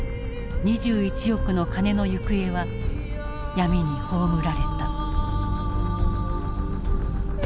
２１億の金の行方は闇に葬られた。